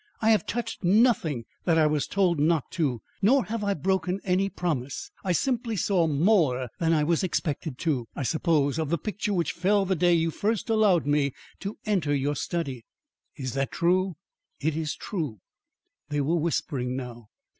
"I have touched nothing that I was told not to, nor have I broken any promise. I simply saw more than I was expected to, I suppose, of the picture which fell the day you first allowed me to enter your study." "Is that true?" "It is true." They were whispering now.